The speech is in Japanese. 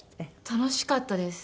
楽しかったです。